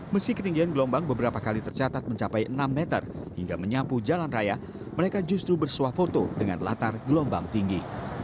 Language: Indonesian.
meski ketinggian gelombang beberapa kali tercatat mencapai enam meter hingga menyapu jalan raya mereka justru bersuah foto dengan latar gelombang tinggi